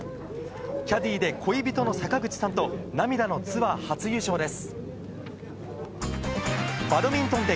キャディーで恋人の坂口さんと、涙のツアー初優勝です。